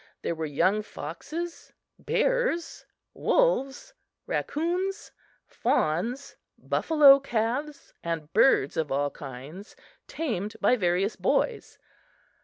There were young foxes, bears, wolves, raccoons, fawns, buffalo calves and birds of all kinds, tamed by various boys.